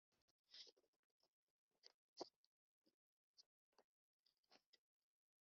Iyo mu iburanisha uregwa atitabye nta